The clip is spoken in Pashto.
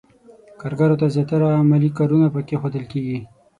کارګرو ته زیاتره عملي کارونه پکې ښودل کېدل.